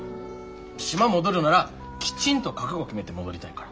島戻るならきちんと覚悟決めて戻りたいから。